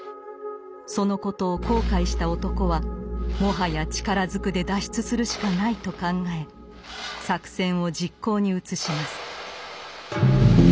そのことを後悔した男はもはや力ずくで脱出するしかないと考え作戦を実行に移します。